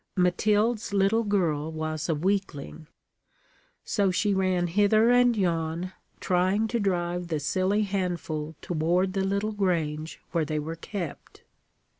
Mathilde's little girl was a weakling. So she ran hither and yon, trying to drive the silly handful toward the little grange where they were kept.